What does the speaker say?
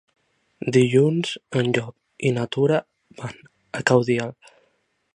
Dilluns en Llop i na Tura van a Caudiel.